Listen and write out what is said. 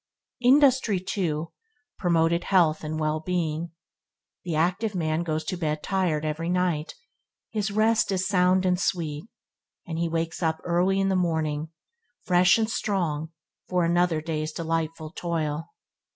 Industry, too, promoted health and well being. The active man goes to bed tired every night; his rest is sound and sweet, and he wakes up early in the morning, fresh and strong for another day's delightful toil.